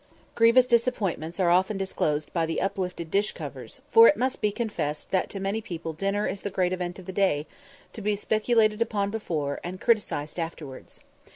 Grievous disappointments are often disclosed by the uplifted dish covers, for it must be confessed that to many people dinner is the great event of the day, to be speculated upon before, and criticised afterwards.